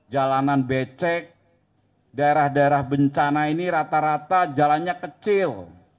jalanan becek daerah daerah bencana ini rata rata jalannya kecil